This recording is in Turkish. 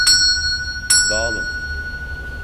Dağılın!